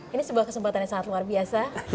ini sebuah kesempatan yang sangat luar biasa